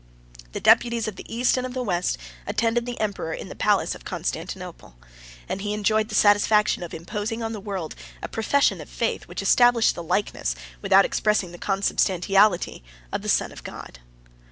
The deputies of the East and of the West attended the emperor in the palace of Constantinople, and he enjoyed the satisfaction of imposing on the world a profession of faith which established the likeness, without expressing the consubstantiality, of the Son of God.